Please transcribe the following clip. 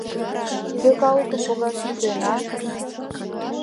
Кӧ калыкым погаш шӱден, а?